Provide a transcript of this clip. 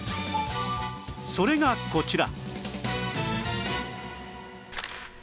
それがこちら